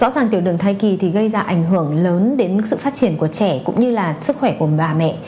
rõ ràng tiểu đường thai kỳ thì gây ra ảnh hưởng lớn đến sự phát triển của trẻ cũng như là sức khỏe của bà mẹ